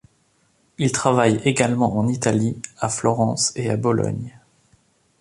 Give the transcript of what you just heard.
Il travaille également en Italie, à Florence et à Bologne.